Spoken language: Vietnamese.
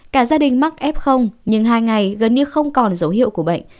cả gia đình mắc f nhưng hai ngày gần như không còn dấu hiệu của bệnh